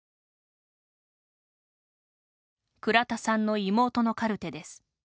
倉田さんの妹のカルテです。